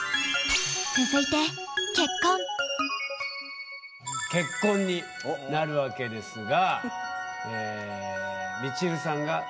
続いて結婚になるわけですが。